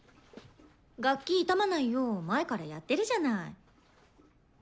楽器傷まないよう前からやってるじゃない。